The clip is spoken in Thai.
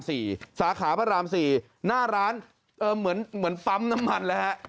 สาขาพระราม๔หน้าร้านเหมือนปั๊มน้ำมันเลยฮะ